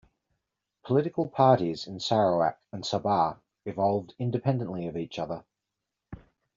Political parties in Sarawak and Sabah evolved independently of each other.